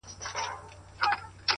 مرگ دی که ژوند دی.